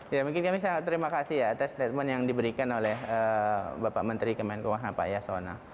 ya mungkin kami sangat terima kasih ya atas statement yang diberikan oleh bapak menteri kemenkumha pak yasona